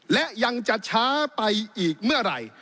และยังจะช้าไปอีกเมื่อไหร่